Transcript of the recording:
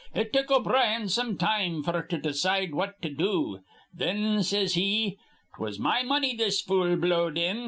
It took O'Brien some time f'r to decide what to do. Thin says he, ''Twas my money this fool blowed in.'